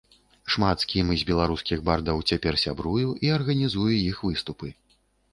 Шмат з кім з беларускіх бардаў цяпер сябрую і арганізую іх выступы.